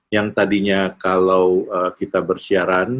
yang tadinya kalau kita bersiaran